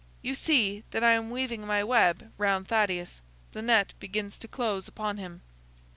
You see that I am weaving my web round Thaddeus. The net begins to close upon him."